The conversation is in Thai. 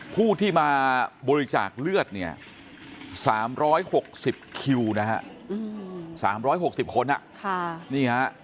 ผู้ที่มาบริจาคเลือดเนี่ย๓๖๐คิวนะฮะ๓๖๐คนนี่ฮะ